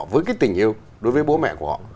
với cái tình yêu đối với bố mẹ của họ